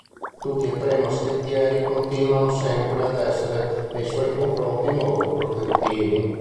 Tutti e tre i moschettieri continuano sempre ad esser nei suoi confronti molto protettivi.